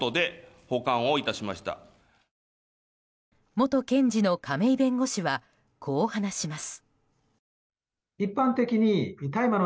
元検事の亀井弁護士はこう話します。